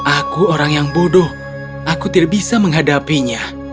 aku orang yang bodoh aku tidak bisa menghadapinya